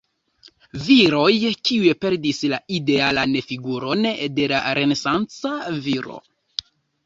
Viroj, kiuj perdis la idealan figuron de la renesanca viro.